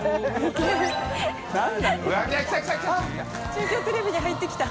中京テレビに入ってきた。